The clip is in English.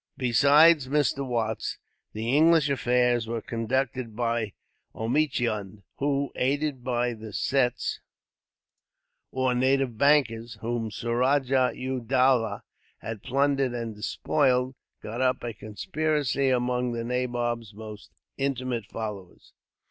Besides Mr. Watts, the English affairs were conducted by Omichund who, aided by the Sets, or native bankers, whom Suraja u Dowlah had plundered and despoiled, got up a conspiracy among the nabob's most intimate followers.